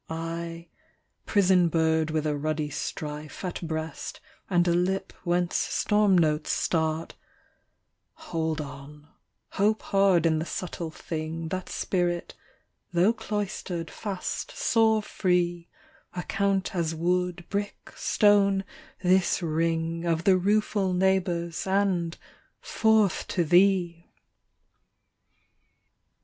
I prison bird, with a ruddy strife At breast, and a lip whence storm notes start 20 Hold on, hope hard in the subtle thing That's spirit: tho' cloistered fast, soar free; Account as wood, brick, stone, this ring Of the rueful neighbours, and forth to thee!